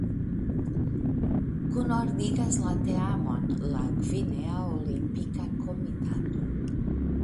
Kunordigas la teamon la Gvinea Olimpika Komitato.